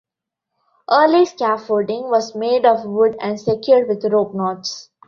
Early scaffolding was made of wood and secured with rope knots.